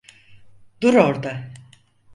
Dur orda!